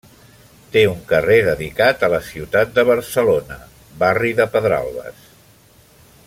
Té un carrer dedicat a la ciutat de Barcelona, barri de Pedralbes.